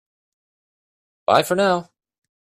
Bye for now!